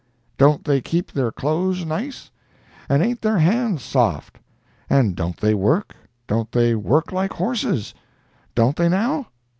Don't they keep their clothes nice?—and ain't their hands soft? And don't they work?—don't they work like horses?—don't they, now?